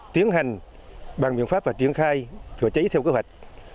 tiến hành bằng biện pháp và triển khai chữa cháy theo kế hoạch